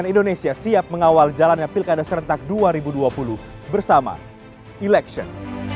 cnn indonesia siap mengawal jalannya pilkada serentak dua ribu dua puluh bersama election